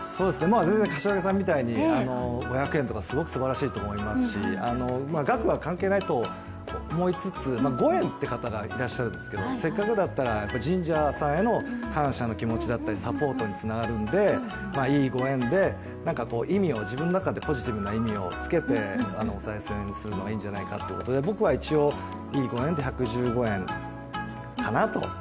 柏木さんみたいに５００円とかすばらしいと思いますし額は関係ないと思いつつ、５円っていう方がいらっしゃるんですけど、せっかくだったら神社さんへの感謝の気持ちだったりサポートにつながるんでいいご縁で自分の中でポジティブな意味をつけておさい銭にするのがいいんじゃないかということで僕は一応、「イ・イ・ゴ・エン」で１１５円かなと。